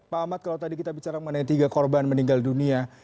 pak ahmad kalau tadi kita bicara mengenai tiga korban meninggal dunia